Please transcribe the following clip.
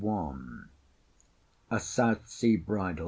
A SOUTH SEA BRIDAL.